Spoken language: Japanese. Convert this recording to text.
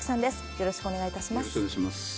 よろしくお願いします。